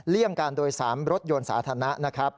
เลี่ยงการโดยสามรถยนต์สาธารณะนะครับ